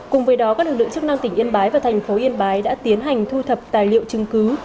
cùng với đó các lực lượng chức năng tỉnh yên bái và thành phố yên bái đã tiến hành thu thập tài liệu chứng cứ